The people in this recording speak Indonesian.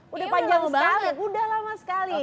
udah panjang sekali udah lama sekali